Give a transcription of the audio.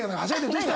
どうした？